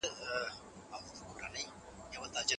تاسو بايد د سياست پوهني په اړه رښتينې معلومات ولرئ.